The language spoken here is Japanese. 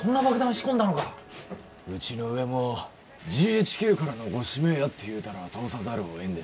仕込んだのかうちの上もＧＨＱからのご指名やっていうたら通さざるをえんで